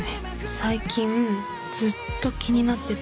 最近ずっと気になってた。